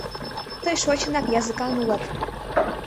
Тый шочынак языкан улат!